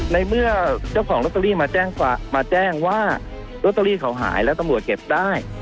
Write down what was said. ในเมื่อเจ้าของลอตเตอรี่มาแจ้งว่าลอตเตอรี่เขาหายแล้วตำรวจเก็บได้